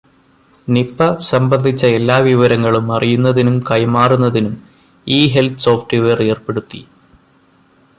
Nipah സംബന്ധിച്ച എല്ലാ വിവരങ്ങളും അറിയുന്നതിനും കൈമാറുന്നതിനും ഇ ഹെല്ത്ത് സോഫ്റ്റ് വെയര് ഏര്പ്പെടുത്തി.